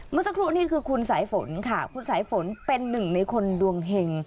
เมื่อสักครู่นี่คือคุณสายฝนค่ะคุณสายฝนเป็นหนึ่งในคนดวงเห็ง